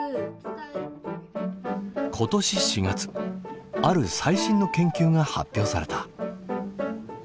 今年４月ある最新の研究が発表された。